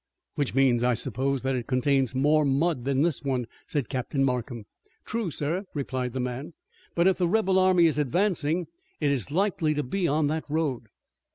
"Which means, I suppose, that it contains more mud than this one," said Captain Markham. "True, sir," replied the man, "but if the rebel army is advancing it is likely to be on that road."